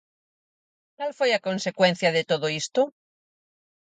Cal foi a consecuencia de todo isto?